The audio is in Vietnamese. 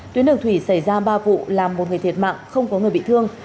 tuyến đường thủy xảy ra ba vụ làm một người thiệt mạng không có người bị thương